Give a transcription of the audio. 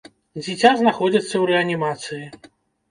Дзіця знаходзіцца ў рэанімацыі.